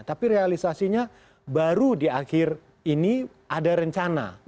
tapi realisasinya baru di akhir ini ada rencana